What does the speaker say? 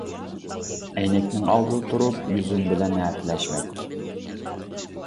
ئەينەكنىڭ ئالدىدا تۇرۇپ يۈزۈم بىلەن ھەپىلەشمەك.